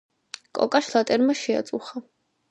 კოკა შლატერმა შეაწუხა